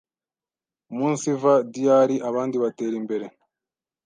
umunsiva dyari. abandi batera imbere.